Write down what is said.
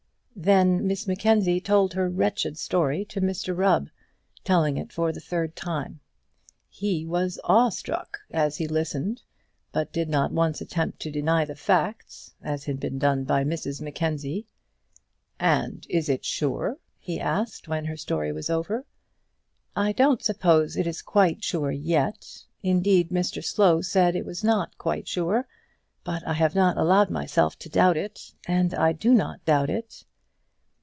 Then Miss Mackenzie told her wretched story to Mr Rubb, telling it for the third time. He was awe struck as he listened, but did not once attempt to deny the facts, as had been done by Mrs Mackenzie. "And is it sure?" he asked, when her story was over. "I don't suppose it is quite sure yet. Indeed, Mr Slow said it was not quite sure. But I have not allowed myself to doubt it, and I do not doubt it."